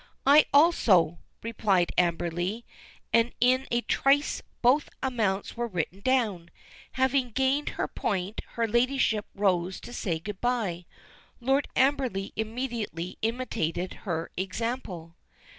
"I also," replied Amberley, and in a trice both amounts were written down. Having gained her point, her ladyship rose to say good bye. Lord Amberley immediately imitated her example.